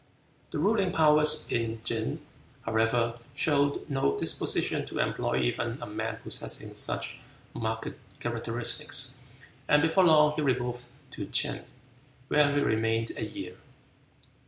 The ruling powers in Ch'ing, however, showed no disposition to employ even a man possessing such marked characteristics, and before long he removed to Ch'in, where he remained a year.